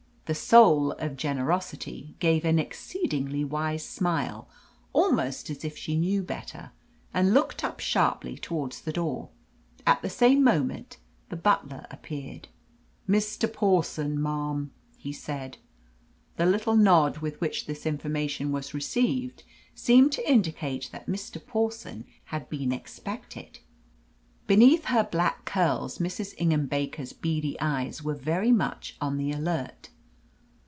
The "soul of generosity" gave an exceedingly wise little smile almost as if she knew better and looked up sharply towards the door. At the same moment the butler appeared. "Mr. Pawson, ma'am," he said. The little nod with which this information was received seemed to indicate that Mr. Pawson had been expected. Beneath her black curls Mrs. Ingham Baker's beady eyes were very much on the alert.